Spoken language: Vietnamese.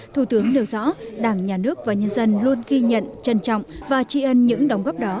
thủ tướng nêu rõ đảng nhà nước và nhân dân luôn ghi nhận trân trọng và tri ân những đóng góp đó